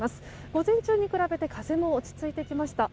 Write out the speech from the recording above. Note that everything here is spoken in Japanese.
午前中に比べて風も落ち着いてきました。